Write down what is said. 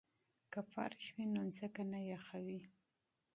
که فرش وي نو ځمکه نه یخوي.